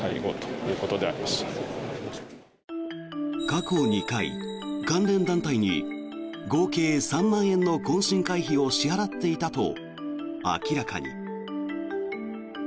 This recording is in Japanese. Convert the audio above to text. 過去２回、関連団体に合計３万円の懇親会費を支払っていたと、明らかに。